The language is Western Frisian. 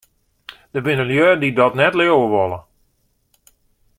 Der binne lju dy't dat net leauwe wolle.